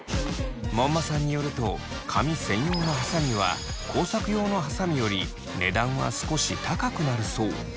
門馬さんによると髪専用のはさみは工作用のはさみより値段は少し高くなるそう。